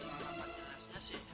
alamatnya lah saya sih